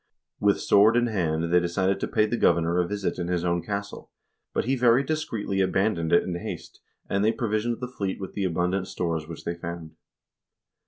With sword in hand they decided to pay the governor a visit in his own castle, but he very discreetly abandoned it in haste, and they provisioned the fleet with the abundant stores which they found.